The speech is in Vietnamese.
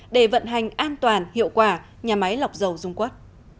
để vận hành an toàn hiệu quả nhà máy lọc dầu dung quất